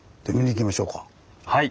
はい！